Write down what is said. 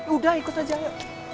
udah ikut aja ayo